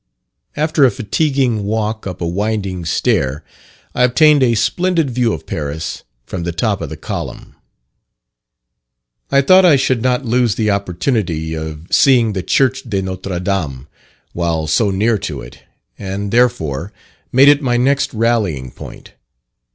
After a fatiguing walk up a winding stair, I obtained a splendid view of Paris from the top of the column. I thought I should not lose the opportunity of seeing the Church de Notre Dame while so near to it, and, therefore, made it my next rallying point.